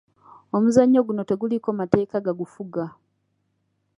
Omuzannyo guno teguliiko mateeka gagufuga.